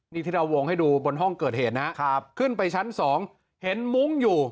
นี่ที่เราวงให้ดูบนห้องเกิดเหตุนะครับขึ้นไปชั้นสองเห็นมุ้งอยู่